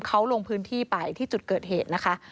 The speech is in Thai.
เขาลงพื้นที่ไปที่จุดเกิดเหตุนะคะ